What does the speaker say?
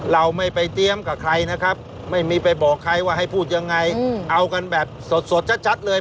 เราไม่ไปเตรียมกับใครนะครับไม่มีไปบอกใครว่าให้พูดยังไงเอากันแบบสดชัดเลย